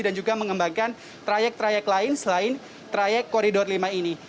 dan juga mengembangkan trayek trayek lain selain trayek koridor lima ini